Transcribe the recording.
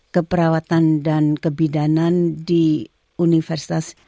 keperawatan dan kebidanan di universitas